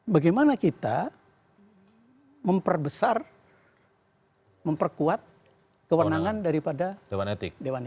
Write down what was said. bagaimana kita memperbesar memperkuat kewenangan daripada dewan etik dewan